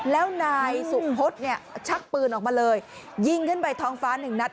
แล้วนายสุพธเนี่ยชักปืนออกมาเลยยิงขึ้นไปท้องฟ้าหนึ่งนัด